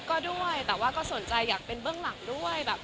ก็ด้วยแต่ว่าก็สนใจอยากเป็นเบื้องหลังด้วยแบบ